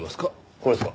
これですか？